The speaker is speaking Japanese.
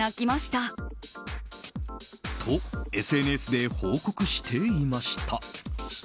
と、ＳＮＳで報告していました。